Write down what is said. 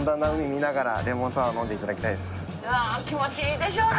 うわぁ気持ちいいでしょうね。